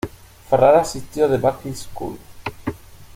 Farrar asistió a The Buckley School.